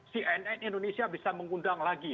cnn indonesia bisa mengundang lagi